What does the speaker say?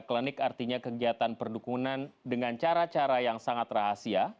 klinik artinya kegiatan perdukunan dengan cara cara yang sangat rahasia